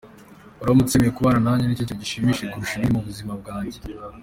Uramutse wemeye kubana nanjye nicyo kintu gishimishije kurusha ibindi mu buzima bwanjye.